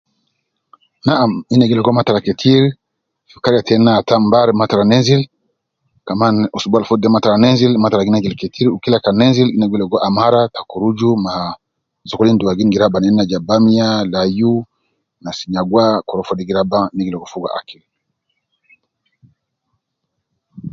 Naam Ina gi ligo matara ketir fi kariya teina ata mbari nenzil kaman usbu Al futu de matara nenzil. Matara gi nenzil ketir. Wu Kila kan nenzil Ina gi ligo amara ta kuruju ma sokolin dugagin gi raba neina ha bamiya layu Nas nyagwa korofo gi raba ne gi ligo Fogo akil.